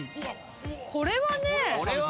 これはね。